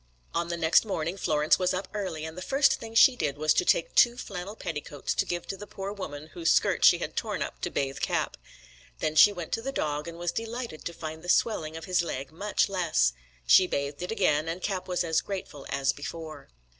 On the next morning Florence was up early, and the first thing she did was to take two flannel petticoats to give to the poor woman whose skirt she had torn up to bathe Cap. Then she went to the dog, and was delighted to find the swelling of his leg much less. She bathed it again, and Cap was as grateful as before.